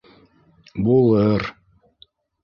Булыр...